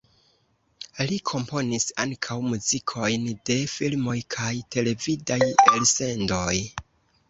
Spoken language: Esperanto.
Li komponis ankaŭ muzikojn de filmoj kaj televidaj elsendoj.